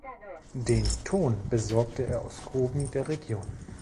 Den Ton besorgte er aus Gruben der Region.